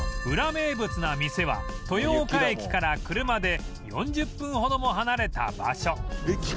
ウラ名物な店は豊岡駅から車で４０分ほども離れた場所